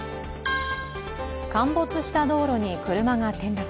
陥没した道路に車が転落。